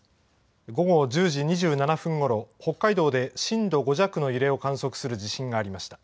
午後１０時２７分ごろ北海道で震度５弱の揺れを観測する地震がありました。